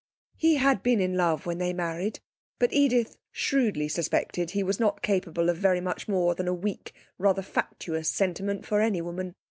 He had been in love when they married, but Edith shrewdly suspected he was not capable of very much more than a weak rather fatuous sentiment for any woman.